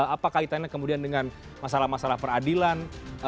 apa kaitannya kemudian dengan masalah masalah peradilan